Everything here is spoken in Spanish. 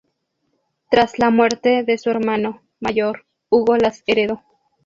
Tras la muerte de su hermano mayor, Hugo las heredó.